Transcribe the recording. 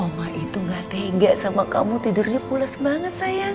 omah itu gak tega sama kamu tidurnya pulas banget sayang